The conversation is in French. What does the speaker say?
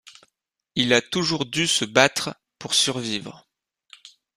Il a toujours dû se battre pour survivre.